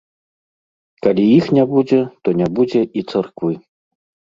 Калі іх не будзе, то не будзе і царквы.